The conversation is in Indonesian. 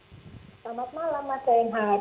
selamat malam mas seinghat